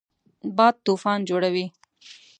باد طوفان جوړوي